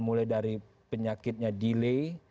mulai dari penyakitnya delay